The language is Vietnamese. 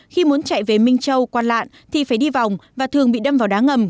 khi muốn chạy về minh châu qua lạn thì phải đi vòng và thường bị đâm vào đá ngầm